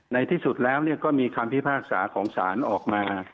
ในที่สุดแล้วก็มีคำพิพากษาของศาลออกมา